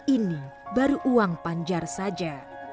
ini baru uang panjar saja